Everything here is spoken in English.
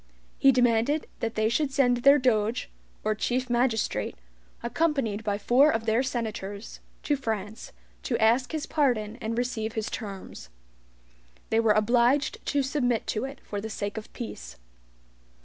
He demanded that they should send their Doge, or chief magistrate, accompanied by four of their senators, to FRANCE, to ask his pardon and receive his terms. They were obliged to submit to it for the sake of peace.